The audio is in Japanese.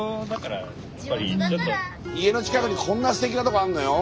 家の近くにこんなすてきなとこあんのよ。